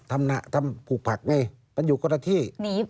ในโรงการปลูกผักมันอยู่รถที่